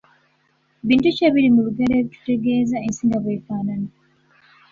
Bintu ki ebiri mu lugero ebitutegeeza ensi nga bw’efaanana?